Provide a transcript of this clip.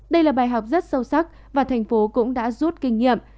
đây là bài học rất sâu sắc và thành phố cũng đã rút kinh nghiệm